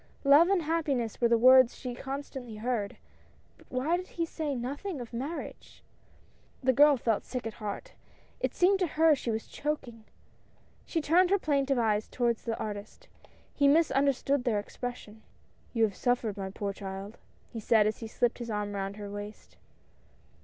Love and happiness were the words she constantly heard, but why did he say nothing of marriage? The girl felt sick at heart. It seemed to her she was choking; she turned her plaintive eyes toward the artist ; he misunderstood their expression. "You have suffered, my poor child!" he said as he slipped his arm around her waist.